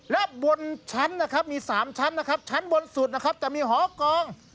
และบนชั้นนะครับมี๓ชั้นนะครับชั้นบนสุดนะครับจะมีหอกอง